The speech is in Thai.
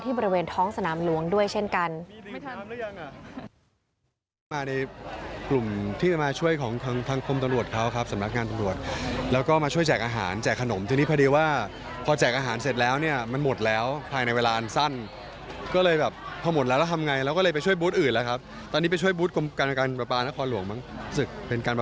บริเวณท้องสนามหลวงด้วยเช่นกัน